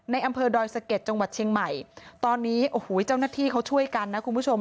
อำเภอดอยสะเก็ดจังหวัดเชียงใหม่ตอนนี้โอ้โหเจ้าหน้าที่เขาช่วยกันนะคุณผู้ชม